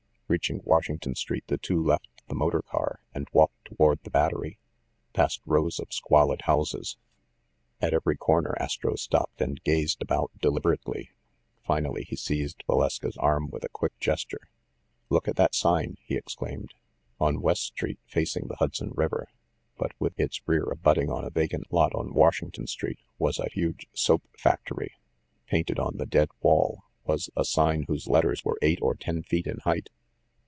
Reaching Washington Street, the two left the motor car and walked toward the Battery, past rows of squalid houses. At every corner Astro stopped and gazed about deliberately. Finally, he seized Valeska's arm with a quick ges ture. "Look at that sign !" he exclaimed. On West Street, facing the Hudson River, but with 176 THE MASTER OF MYSTERIES its rear abutting on a vacant lot on Washington Street, was a huge soap factory. Painted on the dead wall was a sign whose letters were eight or ten feet in height.